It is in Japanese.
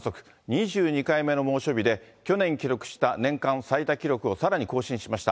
２２回目の猛暑日で、去年記録した年間最多記録をさらに更新しました。